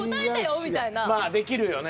まあできるよね。